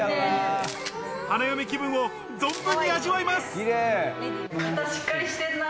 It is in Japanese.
花嫁気分を存分に味わいます。